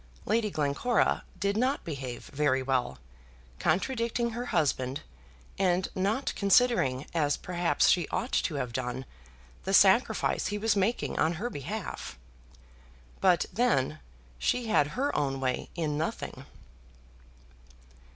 Lady Glencora did not behave very well, contradicting her husband, and not considering, as, perhaps, she ought to have done, the sacrifice he was making on her behalf. But, then, she had her own way in nothing.